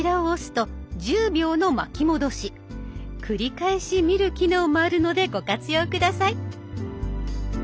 繰り返し見る機能もあるのでご活用下さい。